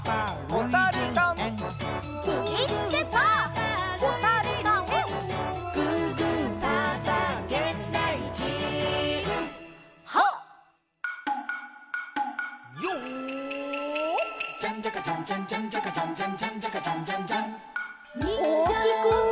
おおきく！